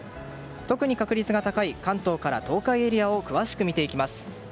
特に確率が高い関東から東海エリアを詳しく見ていきます。